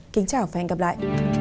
kính chào và hẹn gặp lại